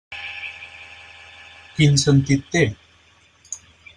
Quin sentit té?